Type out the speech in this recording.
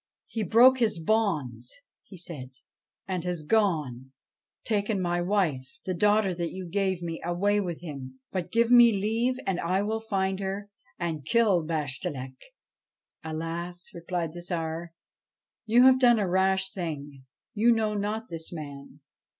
' He broke his bonds,' he said, ' and has gone, taking my wife the daughter that you gave me away with him. But give me leave, and I will find her and kill Bashtchelik.' ' Alas !' replied the Tsar, ' you have done a rash thing. You know not this man.